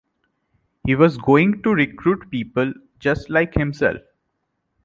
He was going to recruit people just like himself.